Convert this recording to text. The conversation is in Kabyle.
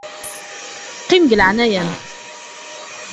Qqim di leɛnaya-m.